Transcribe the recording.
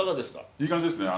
いい感じですね。